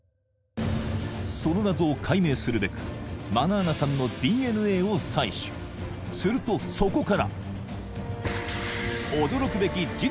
その謎を解明するべくマナーナさんのするとそこから！